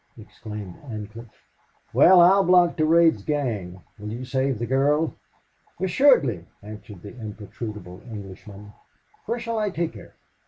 exclaimed Ancliffe. "Well, I'll block Durade's gang. Will you save the girl?" "Assuredly," answered the imperturbable Englishman. "Where shall I take her?"